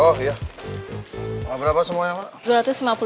oh iya berapa semuanya